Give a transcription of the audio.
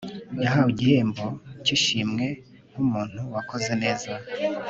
yahawe igihembo kishimwe nkumuntu wakoze neza